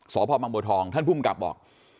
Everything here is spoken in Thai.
สพบท้องบอก